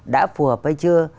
đã phù hợp hay chưa